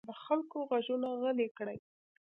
د خلکو غږونه غلي کړي.